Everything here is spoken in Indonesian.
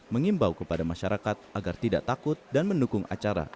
mengimbau kepada masyarakat agar tidak takut dan mendukung acara